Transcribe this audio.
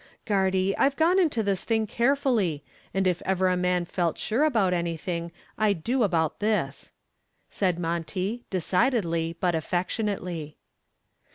"Gardy, I've gone into this thing carefully, and if ever a man felt sure about anything I do about this," said Monty, decidedly, but affectionately.